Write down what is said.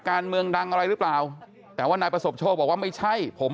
การเมืองดังอะไรหรือเปล่าแต่ว่านายประสบโชคบอกว่าไม่ใช่ผม